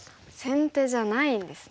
先手じゃないんですね。